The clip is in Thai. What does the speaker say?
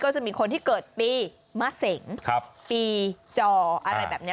จะมีคนที่เกิดปีมะเสงปีจออะไรแบบนี้